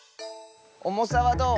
おもさはどう？